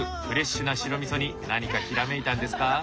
フレッシュな白味噌に何かひらめいたんですか？